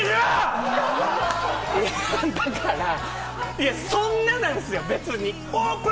だから、そんななんすよ、別に。